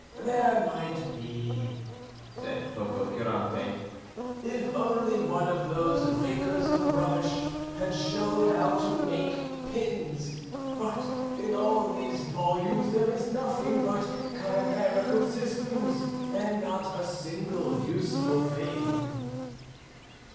"There might be," said Pococurante, "if only one of those rakers of rubbish had shown how to make pins; but in all these volumes there is nothing but chimerical systems, and not a single useful thing."